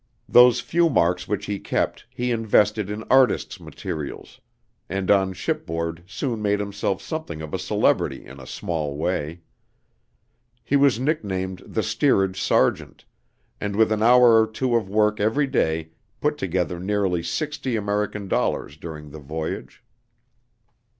Those few marks which he kept, he invested in artist's materials, and on shipboard soon made himself something of a celebrity in a small way. He was nicknamed "the steerage Sargent," and with an hour or two of work every day put together nearly sixty American dollars during the voyage.